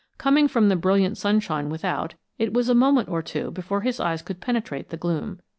Coming from the brilliant sunshine without, it was a moment or two before his eyes could penetrate the gloom.